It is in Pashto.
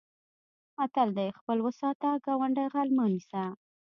متل دی: خپل و ساته ګاونډی غل مه نیسه.